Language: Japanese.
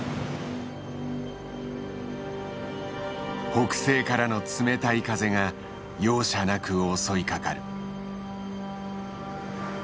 北西からの冷たい風が容赦なく襲いかかる。